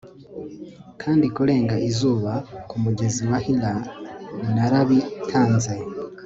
Kandi kurenga izuba kumugezi wa Hyla narabitanze